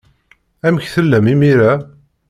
Amek tellam imir-a?